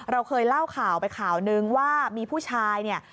เราเคยเล่าข่าวไปข่าวนึงว่ามีผู้ชายเนี่ย